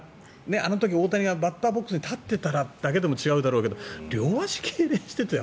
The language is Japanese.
あの時、大谷がバッターボックスに立ってたら違うけど両足けいれんしていて。